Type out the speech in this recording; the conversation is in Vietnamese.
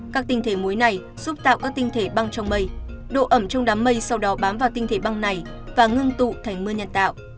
các tinh thể muối này giúp tạo các tinh thể băng trong mây độ ẩm trong đám mây sau đó bám vào tinh thể băng này và ngưng tụ thành mưa nhân tạo